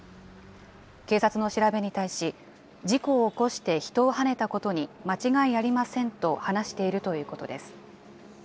警察の調べに対し、事故を起こして人をはねたことに間違いありませんと話しているということです。